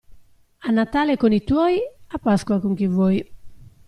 A Natale con i tuoi, a Pasqua con chi vuoi.